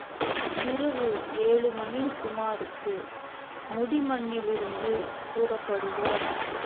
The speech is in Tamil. இரவு ஏழு மணி சுமாருக்கு முடிமன்னிலிருந்து புறப்படுவோம்.